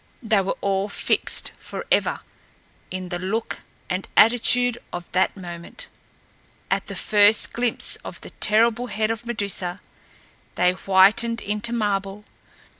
They were all fixed forever in the look and attitude of that moment! At the first glimpse of the terrible head of Medusa, they whitened into marble!